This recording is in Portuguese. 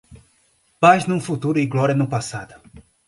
Paz no futuro e glória no passado